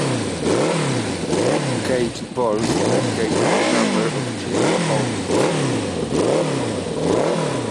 Caged balls indicated the number of children hoped for.